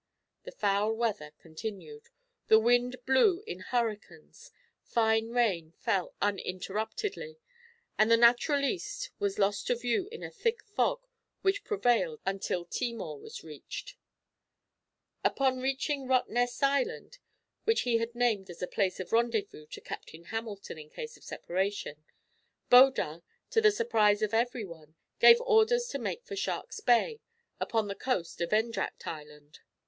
The foul weather continued, the wind blew in hurricanes, fine rain fell uninterruptedly, and the Naturaliste was lost to view in a thick fog which prevailed until Timor was reached. Upon reaching Rottnest Island which he had named as a place of rendezvous to Captain Hamilton in case of separation Baudin, to the surprise of every one, gave orders to make for Shark's Bay, upon the coast of Endracht Island.